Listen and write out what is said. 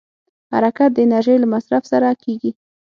حرکت د انرژۍ له مصرف سره کېږي.